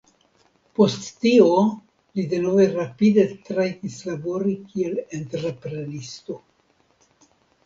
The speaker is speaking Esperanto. Post tio li denove rapide rajtis labori kiel entreprenisto.